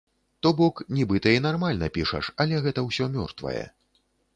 То бок, нібыта і нармальна пішаш, але гэта ўсё мёртвае.